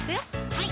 はい